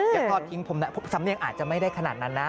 ทอดทิ้งผมนะสำเนียงอาจจะไม่ได้ขนาดนั้นนะ